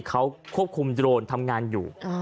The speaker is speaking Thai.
เขาควบคุมโดรนทำงานอยู่